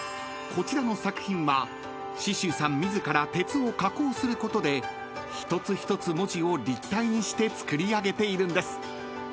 こちらの作品は紫舟さん自ら鉄を加工することで一つ一つ文字を立体にして作り上げているんです］